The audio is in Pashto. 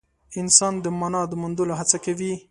انسان د مانا د موندلو هڅه کوي.